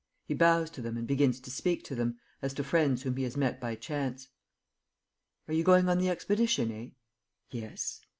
He bows to them and begins to speak to them, as to friends whom he has met by chance. "Are you going on the expedition, eh?" "Yes."